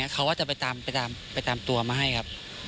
เขาก็จะไปตามตัวมาให้ครับ